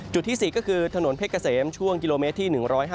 จุดที่สี่ก็คือถนนเพชรเกษมช่วงกิโลเมตรที่๑๕๒๑๕๓